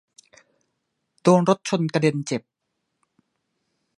โดนรถชนกระเด็นเจ็บ